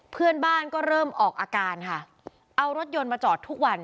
เพื่อนบ้านก็เริ่มออกอาการค่ะเอารถยนต์มาจอดทุกวัน